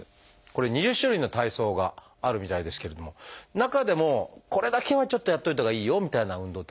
これ２０種類の体操があるみたいですけども中でもこれだけはちょっとやっといたほうがいいよみたいな運動ってありますか？